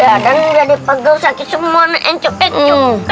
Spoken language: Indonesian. ya kan jadi pegel sakit semua nih enco enco